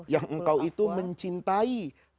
yang engkau itu mencintai